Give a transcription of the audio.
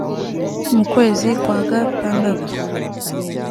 mu kwezi kwa gatandatu